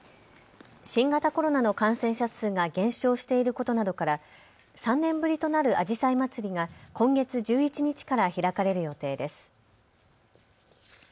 新型コロナの感染者数が減少していることなどから３年ぶりとなるあじさいまつりが今月１１日から開かれる予定です。